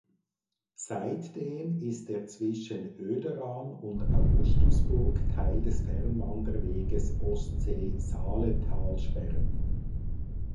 Seitdem ist er zwischen Oederan und Augustusburg Teil des Fernwanderweges Ostsee-Saaletalsperren.